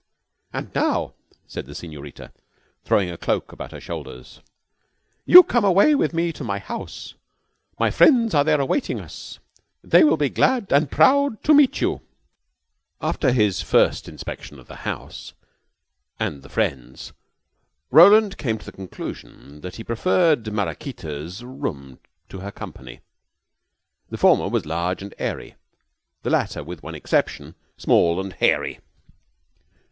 "And now," said the Senorita, throwing a cloak about her shoulders, "you come away with me to my house. My friends are there awaiting us. They will be glad and proud to meet you." After his first inspection of the house and the friends, Roland came to the conclusion that he preferred Maraquita's room to her company. The former was large and airy, the latter, with one exception, small and hairy.